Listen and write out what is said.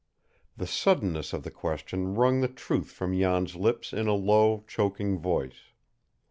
The suddenness of the question wrung the truth from Jan's lips in a low, choking voice.